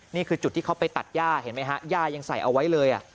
นี่คือจุดที่เขาไปตัดย่าเห็นไหมฮะย่ายังใส่เอาไว้เลย